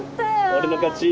俺の勝ち！